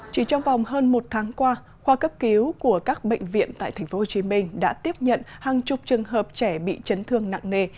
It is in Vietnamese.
chỉ trong vòng hơn một tháng qua khoa cấp cứu của các bệnh viện tại tp hcm đã tiếp nhận hàng chục trường hợp trẻ bị chấn thương nặng nề